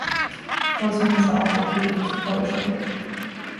Kosman is the author of eight books of poetry.